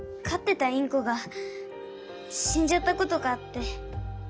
てたインコがしんじゃったことがあって。